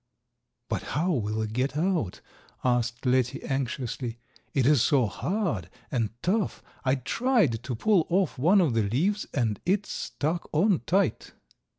"But how will it get out?" asked Letty, anxiously. "It is so hard and tough. I tried to pull off one of the leaves and it stuck on tight."